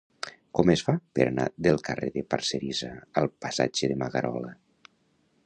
Com es fa per anar del carrer de Parcerisa al passatge de Magarola?